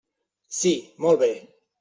Sí, molt bé.